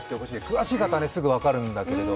詳しい方はすぐ分かるんだけれど。